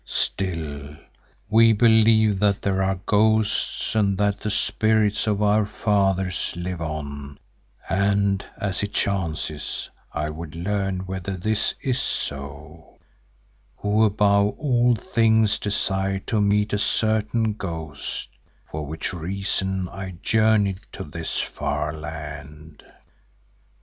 Still, we believe that there are ghosts and that the spirits of our fathers live on and as it chances I would learn whether this is so, who above all things desire to met a certain ghost, for which reason I journeyed to this far land.